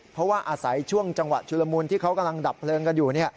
เพราะว่าอาศัยช่วงจังหวะชุลมุนที่เขากำลังดับเพลิงกันอยู่